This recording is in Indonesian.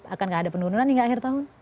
akankah ada penurunan hingga akhir tahun